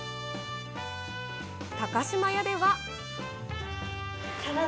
高島屋では。